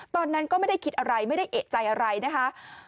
ตอนนั้นก็ไม่ได้คิดอะไรไม่ได้เอกใจอะไรนะคะ